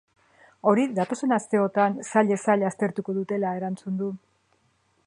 Hori datozen asteotan sailez sail aztertuko dutela erantzun du.